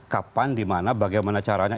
kapan dimana bagaimana caranya